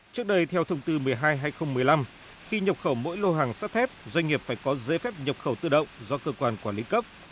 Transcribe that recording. trước đây theo thông tư một mươi hai hai nghìn một mươi năm khi nhập khẩu mỗi lô hàng sắt thép doanh nghiệp phải có giấy phép nhập khẩu tự động do cơ quan quản lý cấp